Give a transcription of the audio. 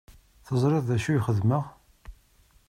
Teẓriḍ d acu i xedmeɣ?